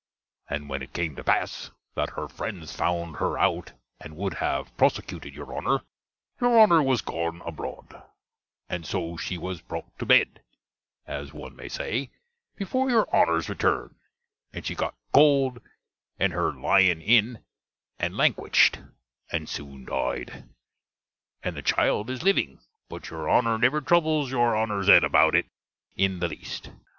And when it came to passe, that her frends founde her out and would have prossekutid your Honner, your Honner was gone abroad: and so she was broute to bed, as one may say, before your Honner's return: and she got colde in her lyin inn, and lanquitched, and soon died: and the child is living; but your Honner never troubles your Honner's hedd about it in the least.